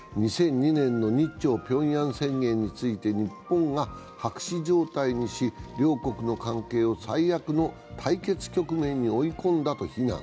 ２００２年の日朝平壌宣言について日本が白紙状態にし両国の関係を最悪の対決局面に追い込んだと非難。